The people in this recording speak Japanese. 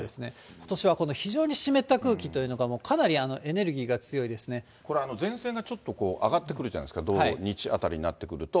ことしはこの非常に湿った空気というのが、かなりエネルギーが強これ、前線がちょっと上がってくるじゃないですか、土、日あたりになってくると。